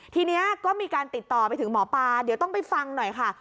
ทีนี้ก็มีการติดต่อไปถึงหมอปลาเดี๋ยวต้องไปฟังหน่อยค่ะ